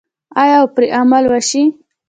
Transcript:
آیا او پرې عمل وشي؟